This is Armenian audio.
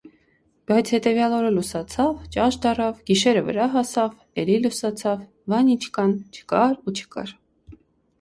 Բայց հետևյալ օրը լուսացավ, ճաշ դառավ, գիշերը վրա հասավ, էլի լուսացավ, Վանիչկան չկար ու չկար: